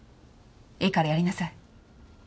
いいからやりなさい。